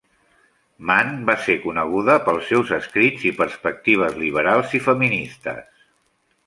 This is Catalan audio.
Mann va ser coneguda pels seus escrits i perspectives liberals i feministes.